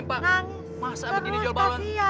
puncak tolong berhenti jawabrubu